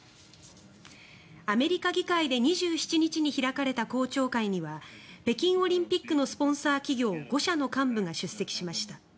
アメリカ議会で２７日に開かれた公聴会には北京オリンピックのスポンサー企業５社の幹部が出席しました。